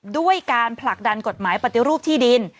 ด้วยการผลักดันกฎหมายปฏิรูปที่ดิน